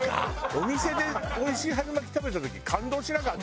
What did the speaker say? お店でおいしい春巻き食べた時感動しなかった？